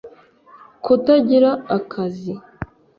kutagira akazi